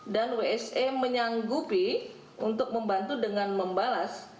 dan wse menyanggupi untuk membantu dengan membalas